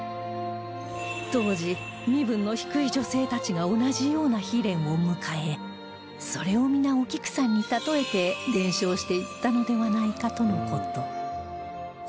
当時身分の低い女性たちが同じような悲恋を迎えそれを皆お菊さんに例えて伝承していったのではないかとの事